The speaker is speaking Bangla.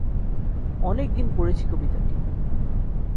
অনেক দিন পড়েছি কবিতাটি।